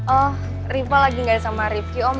oh riva lagi gak sama rifqi om